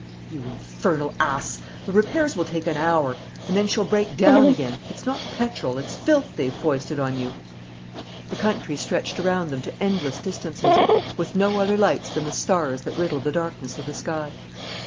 "You infernal ass! The repairs will take an hour! And then she'll break down again. It's not petrol, it's filth they've foisted on you." The country stretched around them to endless distances, with no other lights than the stars that riddled the darkness of the sky.